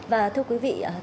và thưa quý vị